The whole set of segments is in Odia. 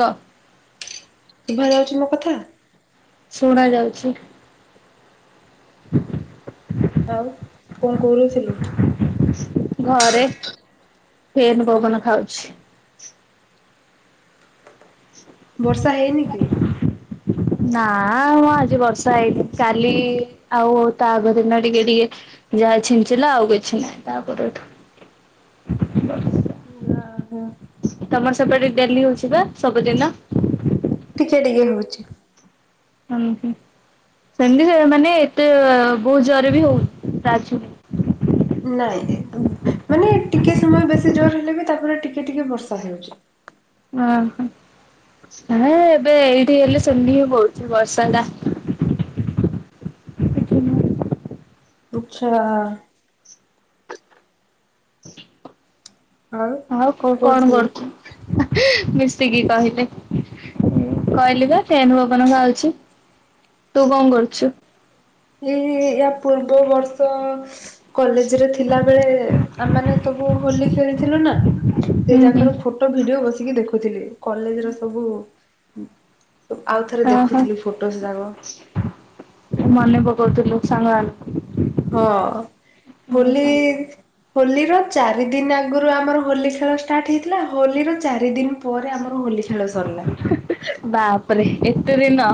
କଅ। ଶୁଭା ଯାଉଛି ମୋ କଥା? ଶୁଣା ଯାଉଛି। [unintelligible] ଆଉ କଣ କରୁଥିଲୁ? ଘରେ ଫେନ୍ ଘରେ ବବନ ଖାଉଛି। ବର୍ଷା ହେଇନି କି। ନା ମୁଁ ଆଜି ବର୍ଷା ହେଇଛି କାଲି ଆଉ ତା ଆଗ ଦିନ ଟିକେ ଟିକେ। ଯାହା ଛିଞ୍ଚିଲା ଆଉ କିଛି ନାହିଁ ତାପରେଠୁ। ଯହ। ତମର ସେପଟେ ଡେଲି ହଉଛି ବା ସବୁଦିନ। ଟିକେ ଟିକେ ହଉଛି। ହ ସେମିତି ସେ ମାନେ ଏତେ ବହୁତ ଜୋରରେ ବି ହଉଛି ରାଜୁ। ନାଇଁ ମାନେ ଟିକେ ସମୟ ବେଶି ଜୋର ହେଲେ ବି ତାପରେ ଟିକେ ଟିକେ ବର୍ଷା ହେଉଛି। ଓହୋଁ ଏବେ ଏଇଠି ହେଲେ ସେମି ହି ବହୁଉଛି ବର୍ଷା ଟା। ଆଚ୍ଛା। ଆଉ କଣ କରୁଛୁ ମିଶିକି କହିଲେ। କହିଲି ବା ସେନୁ ଭବନ ଖାାଉଛି ତୁ କଣ କରୁଛୁ। ଏଇ ୟ ପୂର୍ବ ବର୍ଷ। କଲେଜ ରେ ଥିଲା ବେଳେ ଆମାନେ ସବୁ ହୋଲି ଖେଳିଥିଲୁ ନା ସେ ହୁଁ ହୁଁ ଜାଗ ର। ଫୋଟୋ ଭିଡିଓ ବସିକି ଦେଖୁଥିଲି କଲେଜ ର ସବୁ। ତ ଆଉ ଥରେ ଓହୋ ଦେଖୁଥିଲୁ ଫୋଟୋସ୍ ଯାକ। ମନେ ପକଉଥିଲୁ ଲୋକ ସାଙ୍ଗ। ହଁ ହୋଲି ହୋଲିର ଚାରି ଦିନ ଆଗରୁ ଆମର ହୋଲି ଖେଳନ୍ତି। ଷ୍ଟାର୍ଟ ହେଇଥିଲା ହୋଲିର ଚାରି ଦିନ ପରେ ଆମର ହୋଲି ଖେଳ ସରିଲା। ବାପରେ ଏତେ ଦିନ।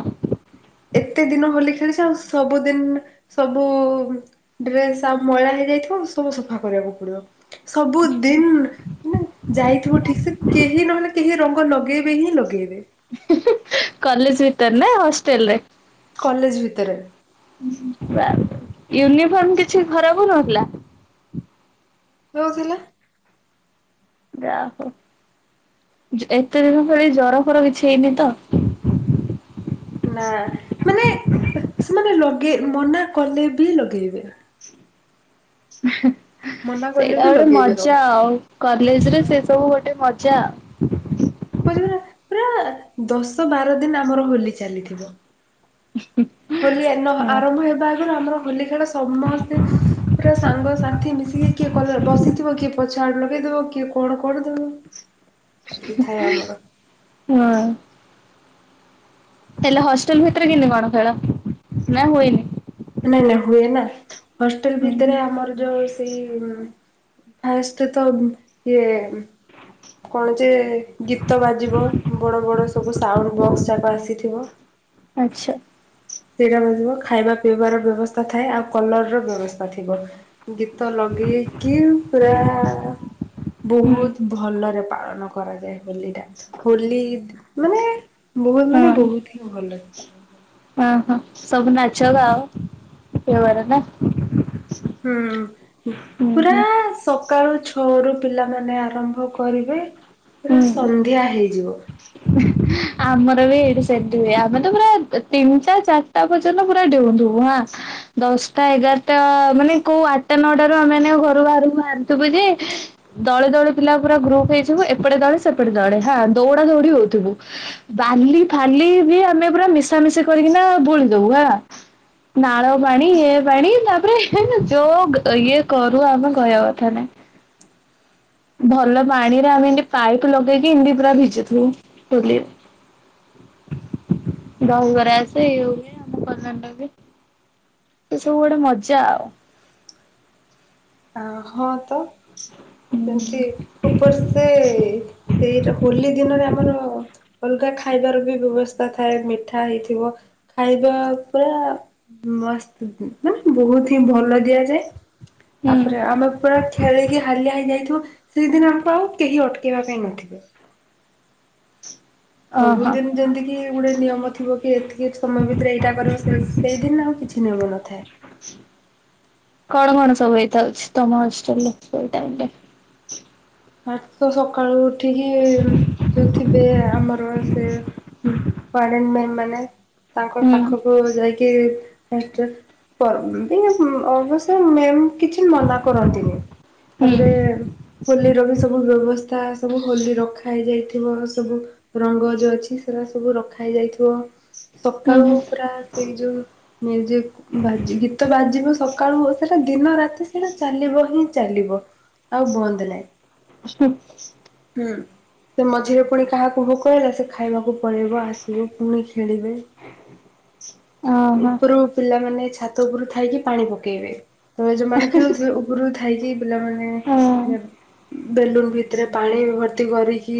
ଏତେ ଦିନ ହୋଲି ଖେଳିଛି ଆଉ ସବୁଦିନ ସବୁ। ଡ୍ରେସ୍ ଆ ମଇଳା ହେଇଯାଇଥିବ ସବୁ ସଫା କରିବାକୁ ପଡିବ ସବୁ ଦିନ। ନା ଯାଇଥିବୁ ଠିକ ସେ କେହି ନହେଲେ କେହି ରଙ୍ଗ ଲଗେଇବେ ହିଁ ଲଗେଇବେ। କଲେଜ ଭିତରେ ନା ହାଷ୍ଟେଲ ରେ। କଲେଜ ଭିତରେ। ୟୁନିଫର୍ମ କିଛି ଖରାପ ହଉ ନଥିଲା। କଅ ହୋଲା। ଯାହୋ ଏତେ ଦିନ ଭ ଜର ଫର କିଛି ହେଇନି ତ। ନା ମାନେ ସେମାନେ ଲଗେଇ ମନା କଲେ ବି ଲଗେଇବେ। ମନା କଲେ ସେଇଟା ବି ଗୋଟେ ଲଗେଇବେ ମଜା ରଙ୍ଗ ଆଉ କଲେଜରେ ସେ ସବୁ ଗୋଟେ ମଜା। ବୁଝିବ ନା ପୁରା ଦଶ ବାର ଦିନ ଆମର ହୋଲି ଚାଲିଥିବ। ହ। ହୋଲି ଆରମ୍ଭ ହେବା ଆଗରୁ ଆମର ହୋଲି ଖେଳ ସମସ୍ତେ। ପୁରା ସାଙ୍ଗ ସାଥି ମିଶିକି କିଏ କ ବସିଥିବ କିଏ। ଛାଡ ଲଗେଇଦବ କିଏ କଣ କରିଦବ। ଚାଲିଥାଏ ଆମର ହଁ। ହେଲେ ହଷ୍ଟେଲ ଭିତରେ କିି କଣ ଖେଳ ନା ହୁଏନି। ନାଇଁ ନାଇଁ ହୁଏ ନା ହଷ୍ଟେଲ ହୁଁ ଭିତରେ ହୁଁ ଆମର ଯୋଉ। ସେଇ ଫାଷ୍ଟ ତ ଇଏ କଣ ଯେ ଗୀତ ବାଜିବ ବଡ ବଡ ସୁବୁ ସାଉଣ୍ଡ ବକ୍ସ ଯାକ ଆସିଥିବ। ଆଚ୍ଛା। ସେଇଟା ମିଳିଯିବ ଖାଇବା ପିଇବାର ବ୍ୟବସ୍ଥା ଥାଏ ଆଉ କଲର ର ବ୍ୟବସ୍ଥା ଥିବ ଗୀତ ଲଗେଇକି ପୁରା ହୁଁ ବହୁତ ଭଲରେ ପାଳନ କରାଯାଏ ହୋଲି ଟା ହୋଲି ମାନେ ବହୁତ ମାନେ ବହୁତ ହିଁ ଭଲରେ ହଁ ହଁ ସବୁ ନାଚ ଗ କେ ବର ନା ହୁଁ ହୁଁ। ସକାଳୁ ଛଅ ରୁ ପିଲାମାନେ ଆରମ୍ଭ କରିବେ ପୁରା ସନ୍ଧ୍ୟା ହେଇଯିବ। ହ ଆମର ବି ଏଇଠି ସେମିତି ହୁଏ ଆମେ ତ ପୁରା ତିନିଟା ଚାରିଟା ପର୍ଯ୍ୟନ୍ତ ପୁରା ଡେଉଁଥିବୁ ହାଁ। ଦଶଟା ଏଗାରଟା ମାନେ କୋଉ ଆଟା ନଅଟା ରୁ ଆମେ ଘରୁ ବାହାରକୁ ବାହାରିଥିବୁ ଯେ ଦଳେ ଦଳେ ପିଲା ପୁରା ଗ୍ରୁପ ହେଇଥିବୁ ଏପଟେ ଦଳେ ସେପଟେ ଦଳେ ହଁ ଦୌଡା ଦୌଡି ହଉଥିବୁ। ବାଲି ଫାଲି ବି ଆମେ ପୁରା ମିଶାମିଶି କରିକିନା ବୁଳି ଦୋଉ ହେଆ। ନାଳ ପାଣି ଏ ପାଣି ତାପରେ ଯୋଉ ଇଏ କରୁ ଆମେ କହିବା କଥା ନାଇ। ଭଲ ପାଣିରେ ଆମେ ଇନ୍ତି ପାଇପ୍ ଲଗେଇକି ଏମିତି ପୁରା ଭିଜୁଥିବୁ ହୋଲିରେ। ଦହି ବରା ଯାହା ଆସେ ଇଏ ହୁଏ [unintelligible] ଏ ସବୁ ଗୋଟେ ମଜା ଆଉ। ଆ ହଁ ତ। ଛା। ଯେମିତି ଉପର୍ ସେ ସେଇଟା ହୋଲି ଦିନରେ ଆମର ଅଲଗା ଖାଇବାର ବି ବ୍ୟବସ୍ଥା ଥାଏ ମିଠା ହେଇଥିବ। ଖାଇବା ପୁରା ମସ୍ତ ବା ବହୁତ ହିଁ ଭଲ ଦିଆଯାଏ। ହୁଁ ତାପରେ ଆମେ ପୁରା ଖେଳିକି ହାଲିଆ ହେ ହେଇଥିବୁ ସେଇଦିନ ଆମକୁ ଆଉ କେହି ଅଟକେଇବା ପାଇଁ ନଥିବେ। ଓହୋ। ସବୁଦିନ୍ ଯେମିତିକ କି ଗୋଟେ ନିୟମ ଥିବ କି ଏତିକି ସମୟ ଭିତରେ ଏଇଟା କର ସେ ସେଇଦିନ ଆଉ କିଛି ନିୟମ ନଥାଏ। କଣ କଣ ସବୁ ହେଇଥାଉଛି ତମ ହଷ୍ଟେଲ୍ ରେ ସେଇ ଟାଇମ୍ ରେ? ଆ ତ ସକାଳୁ ଉଠିକି ଯୋଉ ଥିବେ ଆମର ସେ ୟାଡେନ୍ ମ୍ୟାମ୍ ମାନେ ତାଙ୍କ ହୁଁ। ପାଖ କୁ ଯାଇକି ହଷ୍ଟେଲ ପର ଏମିତି ଅବଶ୍ୟ ମେମ୍ କିଛି ମନା କରନ୍ତିନି, ତାପରେ ହୁଁ ହୋଲି ବ୍ୟବସ୍ଥା ସବୁ ହୋଲି ରଖା ହେଇ ଯାଇଥିବ ସବୁ ରଙ୍ଗ ଯୋଉ ଅଛି ସେଟା ସବୁ ରଖା ହେଇ ଯାଇଥିବ ସକାଳୁ ହୁଁ ପୁରା ସେଇ ଯୋଉ ମ୍ୟୁଜିକ ବାଜି ଗୀତ ବାଜିବ ସକାଳୁ ସେଇଟା ଦିନ ରାତି ସେଇଟା ଚାଲିବ ହିଁ ଚାଲିବ। ଆଉ ବନ୍ଦ ନାଇଁ। ହଁ। ହୁଁ ତ ମଝିରେ ପୁଣି କାହାକୁ ଭୋକ ହେଲା ସେ ଖାଇବାକୁ ପଳେଇବ ଆସିବ ପୁଣି ଖେଳିବେ ଓହୋ ଉପରୁ ପିଲାମାନେ ଛାତ ଉପରୁ ଥାଇକି ପାଣି ପକେଇବେ। ତ ଯୋଉମାନେ ଖେଳୁଥିବେ ଉପରୁ ଥାଇକି ପିଲାମାନେ ହଁ ବେଲୁନ୍ ଭିତରେ ପାଣି ଭର୍ତ୍ତି କରିକି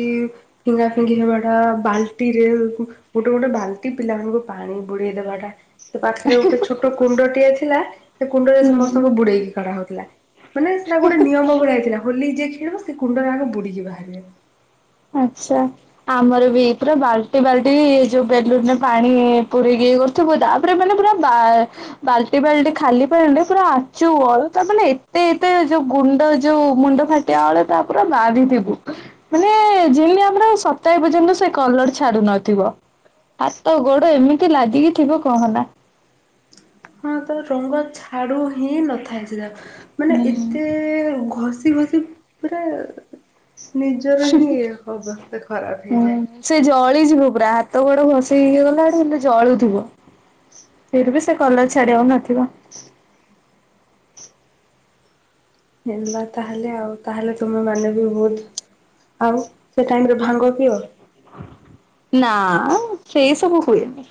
ଫିଙ୍ଗା ଫିଙ୍ଗି ହେବାଟା ବାଲ୍ ଟିରେ ଗୋଟେ ଗୋଟେ ବାଲ୍ଟି ପିଲାମାନଙ୍କୁ ପାଣି ବୁଡେଇ ଦବାଟା ତ ପାଖରେ ଗୋଟେ ଛୋଟ କୁଣ୍ଡଟିଏ ଥିଲା ସେ କୁଣ୍ଡରେ ହୁଁ। ସମସ୍ତଙ୍କୁ ବୁଡେଇକି କରାହଉଥିଲା। ମାନେ ସେଇଟା ଗୋଟେ ନିୟମ ଭଳିଆ ହେଇଥିଲା ହୋଲି ଯିଏ ଖେଳିବ ସେ କୁଣ୍ଡରେ ଆଗେ ବୁଡିକି ବାହାରିବା ଆଚ୍ଛା। ଆମର ବି ପୁରା ବାଲ୍ଟି ବାଲ୍ଟି ଯୋଉ ବେଲୁନରେ ପାଣି ପୁରେଇକି କର ଥିବ ତାପରେ ମାନେ ପୁରା ବା ବାଲ୍ଟି ବାଲ୍ଟି ଖାଲି ପାଣିରେ ରେ ପୁରା ଆଚୁ ଅଳୁତା ମାନେ ଏତେ ଏତେ ଯୋଉ ଗୁଣ୍ଡ ଯୋଉ ମୁଣ୍ଡ ଫାଟ୍ ତେ ଅଳତା ପୁରା ବାରିଥିବୁ। ଜିନିଆ ପାଇଁ ସପ୍ତାଏ ପର୍ଯ୍ୟନ୍ତ ସେ କଲର୍ ଛାଡୁନଥିବ। ହାତ, ଗୋଡ ଏମିତି ଲାଗିକି ଥିବ କହନା ହଁ, ତ ରଙ୍ଗ ଛାଡୁ ହିଁ ନଥାଏ ସେ ଜାଗା। ମାନେ ଏତେ ଘଷି ଘଷି ପୁରା ନିଜର ହିଁ ଏ ଅବସ୍ଥା ଖରାପ ହୁଁ ହେଇଯାଏ। ସେ ଜଳିଯିବ ପୁରା ହାତ ଗୋଡ ଘସେଇ ହେଇକି ଗଲା ଆଡୁ ଏମ୍ ଜଳୁଥିବ। ଫିର୍ ବି ସେ କଲର ଛାଡ଼ିବା ନଥିବ। ହେଲା ତାହେଲେ ଆଉ ତାହେଲେ ତୁମେ ମାନେ ବି ବୋହୁତ ଆଉ ସେ ଟାଇମିରେ ଭାଙ୍ଗ ପିଅ? ନାଁ ସେଇ ସବୁ ହୁଏନି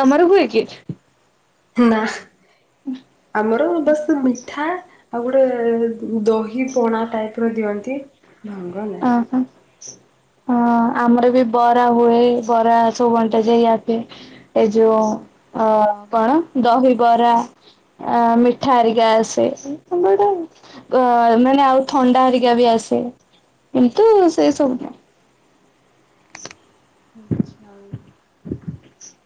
ତମର ହୁଏ କିଏ? ନାଁ ଆମର ଏ ବର୍ଷ ମିଠା ଆଉ ଗୋଟେ ଦହି ପଣା ଟାଇପ୍ ର ଦିଅନ୍ତି। ଭାଙ୍ଗ ନାହିଁ। ଅଁ, ହଁ। ହଁ, ଆମର ବି ବରା ହୁଏ, ବରା ସବୁ ବାଣ୍ଟା ଯାଏ ୟା ଫିର୍ ଏ ଯୋଉ ଅ କଣ ଦହିବରା ଆ ମିଠା ଆରିକା ଆସେ [unintelligible] ଗ ଏମାନେ ଆଉ ଥଣ୍ଡା ହରିକା ବି ଆସେ। କିନ୍ତୁ ସେଇ ସବୁନ ଆଚ୍ଛା [inaudible]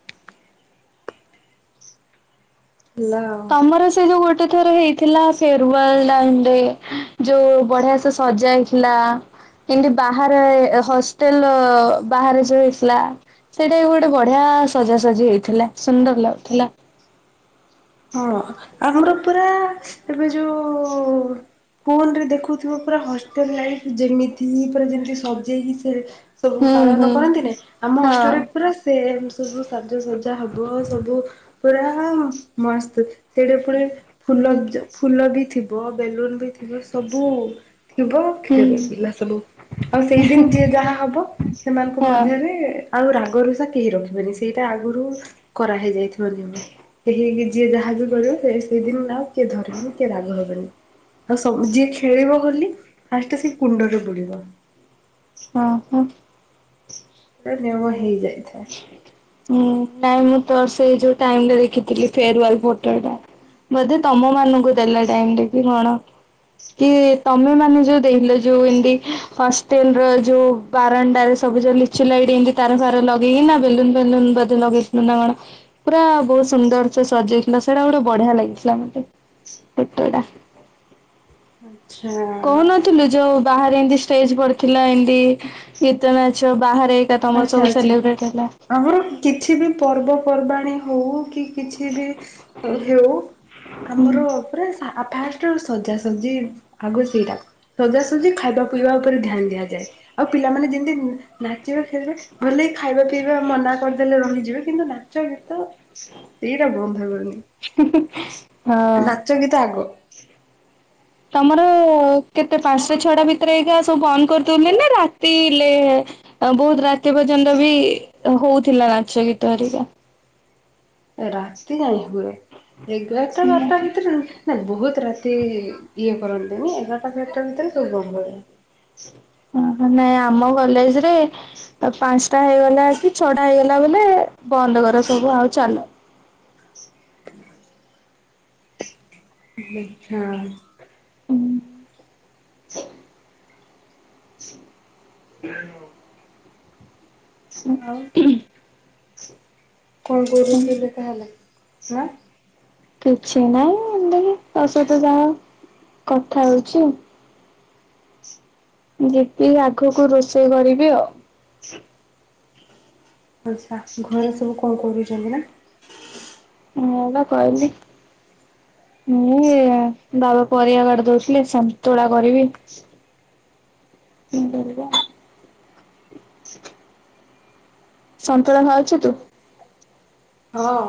ଆଉ। ତମର ସେ ଯୋଉ ଗୋଟେ ଥରେ ହେଇ ଥିଲା ସେ ସେରୁୱାଲ ଡାଡେ ଯୋଉ ବଢିଆ ସେ ସଜାଇଥିଲା କେମିତି ବାହାରେ ହଷ୍ଟେଲ ବାହାରେ ସେ ଇସ୍ଲା ସେଇଟି ଗୋଟେ ବଢ଼ିଆ ସଜାସଜି ହେଇଥିଲା ସୁନ୍ଦର ଲାଗୁଥିଲା ହଁ, ଆମର ପୁରା ଏବେ ଯୋଉ ଫୋନ୍ ରେ ଦେଖୋଉଥିବ ପୁରା ହଷ୍ଟେଲ ଲାଇଫ୍ ଯେମିତି ପୁରା ଯେମିତି ସଜେଇକି ସେ ସବୁ ହୁଁ ପାଳନ ହୁଁ। କରନ୍ତି ନି ଆମ ହଁ ହଷ୍ଟେଲ ପୁରା ସେମ୍ ସୁବୁ ସାଜସଜା ହବ। ବ ସବୁ ପୁରା ମସ୍ତ। ସେଇଟା ପୁଣି ଫୁଲ ବି ଫୁଲ ବି ଥିବ ବେଲୁନ୍ ବି ଥିବ। ଥିବ ସବୁ ଥିବ ହୁଁ ଖେଳୁ ପିଲା ସବୁ ଆଉ ସେଇଦିନ୍ ଯିଏ ଯାହା ହବ ସେମାନଙ୍କ ହଁ ମଧ୍ୟରେ ଆଉ ରାଗ ଋଷା କେହି ରଖିବେନି ସେଇଟା ଆଗୁରୁ କରାହେଇ ଯାଇଥିବ ଜିମି କେହି ଯିଏ ଯାହା ବି କରିବ ସେ ସେଇଦିନ ଆଉ କିଏ ଧରିବନି କିଏ ରାଗ ହବନି। ଆଉସବୁ ଯିଏ ଖେଳିବ ବୋଲି ଫାଷ୍ଟ ସେ କୁଣ୍ଡରେ ବୁଡ଼ିବ। ହଁ, ହଁ। ପୁରା ନିୟମ ହେଇଯାଇଥାଏ। ହୁଁ, ନାଇଁ ମୁଁ ତ ସେଇ ଯୋଉ ଟାଇମ୍ ଦେଖିଥିଲି ଫେରୁୱଲ ଫୋଟୋ ଟା ବୋଧେ ତମ ମାନଙ୍କୁ ଦେଲେ ଡ଼ାଇଣ୍ଡିକି କଣ? କି ତମେ ମାନେ ଯୋଉ ଦେଇଥିଲ ଯୋଉ ଏମତି ହଷ୍ଟେଲ ର ଯୋଉ ବାରଣ୍ଡାରେ ସବୁଯୋଉ ଲିଚୁ ଲାଇଟି ଏମିତି ତାର ଫାର ଲଗେଇକିନା ବେଲୁନ ଫେଲୁନ ବୋଧେ ଲଗେଇ ଥିଲୁ ନା କଣ। ପୁରା ବହୁତ ସୁନ୍ଦର ସେ ସଜେଇଥିଲା ସେଇଟା ଗୋଟେ ବଢ଼ିଆ ଲାଗିଥିଲା ମତେ ପେଟଟା ଆଛା। କହୁନଥିଲୁ ଯୋଉ ବାହାରେ ଏମତି ଷ୍ଟେଜ ପଢ଼ିଥିଲା ଏମତି ଗୀତ ନାଚ ବାହାରେ ଏକା ତମର ଆଚ୍ଛା ସବୁ ଆଚ୍ଛା ସେଲିବ୍ରେଟ ହେଲା। ଆମର କିଛି ବି ପର୍ବପର୍ବାଣୀ ହୋଉ କି କିଛି ବି ହେଉ ହୁଁ। ଆମର ପୁରା ଫାଷ୍ଟ ରୁ ସଜା ସଜି ଆଗ ସେଇଟା। ସଜାସଜି ଖାଇବା ପିଇବା ଉପରେ ଧ୍ୟାନ ଦିଆଯାଏ ଆଉ ପିଲାମାନେ ଯିମିତିନ୍ ଚିଳ ଖେଳିବା ଭଲେଇ ଖାଇବା ପିଇବା ମନା କରିଦେଲେ ରହିଯିବେ କିନ୍ତୁ ନାଚ ଗୀତ [inaudible] ଏଇଟା ବନ୍ଦ ହେବନି ହଁ। ନାଚ ଗୀତ ଆଗ। ତମର କେତେ ପାଞ୍ଚଟା ଛଅଟା ଭିତରେ ଏଇଗା ସବୁ ବନ୍ଦ କରିଦଉଛନ୍ତି ନା ରାତି ହେଲେ ଆଁ ବୋହୁତ ରାତି ପର୍ଯ୍ୟନ୍ତ ବି ହୋଉଥିଲା ନାଚ ଗୀତ ହରିକା। ରାତି ଯାଏଁ ହୁଏ ଏଗାରଟା ବାରଟା ଭିତରେ ନାାଇଁ ବହୁତ ରାତି ଇ ଇଏ କରନ୍ତିନି ଏଗାର ଟା ବାରଟା ଭିତରେ ସବୁ ବନ୍ଦ କରନ୍ତି। ହଁ ମାନେ ଆମ କଲେଜ ରେ ଆଉ ପାଞ୍ଚଟା ହେଇଗଲା ଯଦି ଛ ଟା ହେଇଗଲା ବୋଲି ବନ୍ଦ କର ସବୁ ଆଉ ଚାଲୁ ହ [inaudible] [unintelligible] [inaudible] ହୁଁ ଆଉ ହୁଁ। [unintelligible] କିଛି ନାହିଁ ତା ସହିତ ଯାହା କଥା ହଉଚି। ଜିବି ଆଗକୁ ରୋଷେଇ କରିବି ଆଉ। ଆଛା ଘରେ ସବୁ କଣ କରୁଛନ୍ତି ନା। ମୁ ବା କହିଲି ମୁଁ ଇଏ ବାବା ପରିବା କାଟି ଦଉଥିଲେ ସନ୍ତୁଳା କରିବି। [inaudible] ସନ୍ତୁଳା ଖାଉଚୁ ତୁ। ହଁ।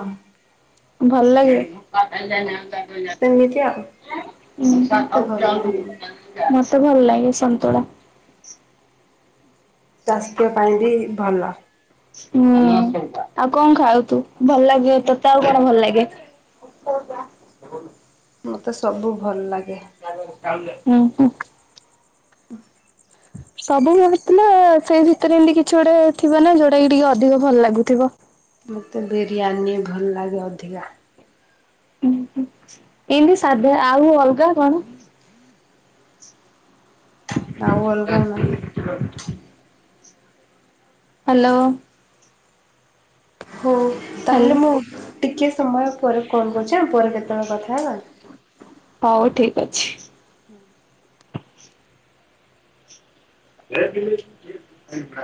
ଭଲ ଲାଗେ। ସେମିତି ଆଉ ଏତେ ଭଲ ଲାଗେନି। [inaudible] ମତେ ଭଲ ଲାଗେ ସନ୍ତୁଳା। ସ୍ୱାସ୍ଥ୍ୟ ପାଇଁ ବି ଭଲ। ହୁଁ ଆଉ କଣ ଖାଉ ତୁ ଭଲ ଲାଗିବ ତୋତେ ଆଉ କଣ ଭଲ ଲାଗେ? [inaudible] ମତେ ସବୁ ଭଲ ଲାଗେ। ହୁଁ ହୁଁ। ସବୁ ଭଲ ଥିଲେ ସେ ଭିତରେ ଏମିତି କିଛି ଗୋଟେ ଥିବ ନା ଯୋଉଟା କି ଟିକେ ଅଧିକ ଭଲ ଲାଗୁଥିବ। ମତେ ବିରିୟାନୀ ଭଲ ଲାଗେ ଅଧିକା। ଏମିତି ସାଧ ଆଉ ଅଲଗା କଣ। ଆଉ ଅଲଗା ନାହିଁ। ହାଲୋ! ହଉ, ତାହେଲେ ହ୍ୟାଲୋ ମୁଁ ଟିକେ ସମୟ ପରେ କଲ୍ କରୁଛି ଆ ପରେ କେତେବେଳେ କଥା ହେବା। ହଉ ଠିକ୍ ଅଛି। ହୁଁ। [inaudible]